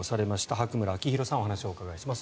白村明弘さんにお話をお伺いします。